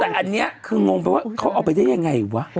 แต่อันนี้คืองงไปว่าเขาเอาไปได้ยังไงวะ